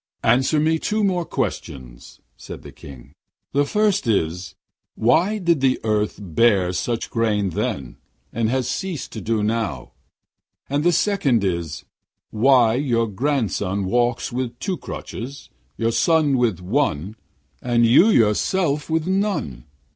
'Answer me two more questions,' said the King. 'The first is, Why did the earth bear such grain then, and has ceased to do so now? And the second is, Why your grandson walks with two crutches, your son with one, and you yourself with none?